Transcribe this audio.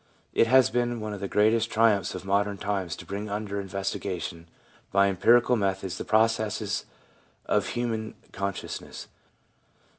It has been one of the greatest triumphs of modern times to bring under investigation by empirical methods the processes of human consciousness.